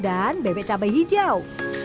dan bebek cabai hijau